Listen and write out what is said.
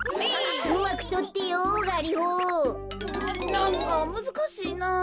なんかむずかしいな。